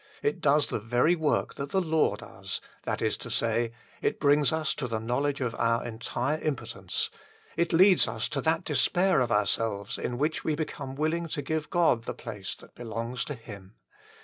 It does the very work that the law does that is to say, it brings us to the knowledge of our entire impotence ; it leads us to that despair of ourselves in which we become willing to give to God the place that belongs to Him.